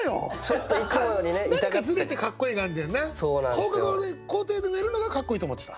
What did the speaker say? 放課後の校庭で寝るのがかっこいいと思ってた？